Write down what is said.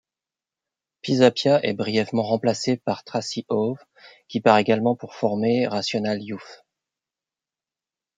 Pisapia est brièvement remplacé par Tracy Howe, qui part également pour former Rational Youth.